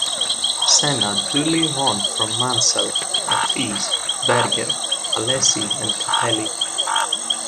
Senna duly won from Mansell, Patrese, Berger, Alesi, and Capelli.